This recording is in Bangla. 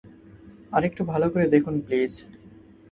আরেকটু ভালো করে দেখুন, প্লিজ।